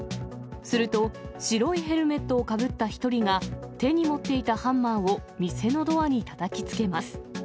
すると白いヘルメットをかぶった１人が、手に持っていたハンマーを店のドアにたたきつけます。